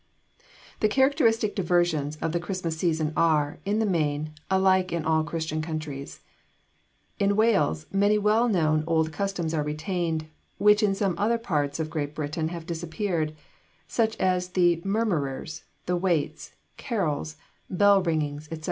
The characteristic diversions of the Christmas season are, in the main, alike in all Christian countries. In Wales many well known old customs are retained which in some other parts of Great Britain have disappeared, such as the mummers, the waits, carols, bell ringings, etc.